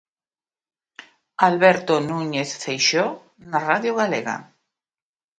Alberto Núñez Feixóo na Radio Galega.